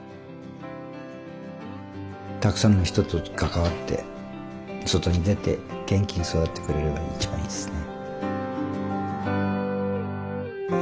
たくさんの人と関わって外に出て元気に育ってくれるのが一番いいですね。